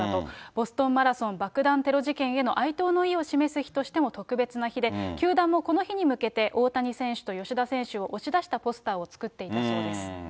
ボストンマラソン爆弾テロ事件への哀悼の意を示す日としても特別な日で、球団もこの日に向けて、大谷選手と吉田選手を押し出したポスターを作っていたそうです。